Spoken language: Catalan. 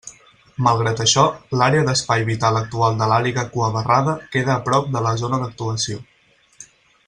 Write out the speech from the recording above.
Malgrat això, l'àrea d'espai vital actual de l'àliga cuabarrada queda a prop de la zona d'actuació.